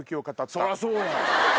そらそうや！